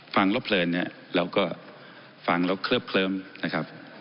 ฟังแล้วเพลินแล้วก็ฟังแล้วเคลิบเคลิมนะครับ